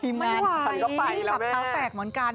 อีนไม่กลัวเลยเหรอ